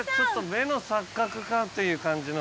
目の錯覚かっていう感じの。